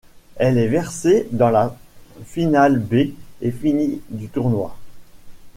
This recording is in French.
Elle est versée dans la finale B et finit du tournoi.